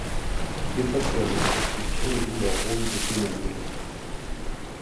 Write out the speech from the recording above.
Les facteurs de transcription jouent leur rôle de deux manières.